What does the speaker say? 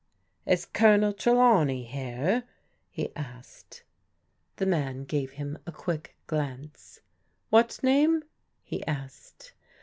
" Is Colonel Trelawney here ?" he asked. The man gave him a quick glance. "What name?" he asked.